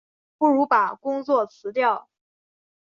不如把工作辞掉